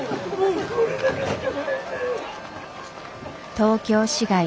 東京市外